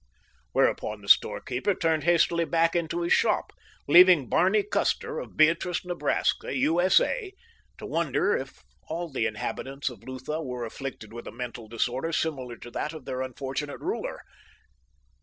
'" Whereupon the storekeeper turned hastily back into his shop, leaving Barney Custer of Beatrice, Nebraska, U.S.A., to wonder if all the inhabitants of Lutha were afflicted with a mental disorder similar to that of the unfortunate ruler.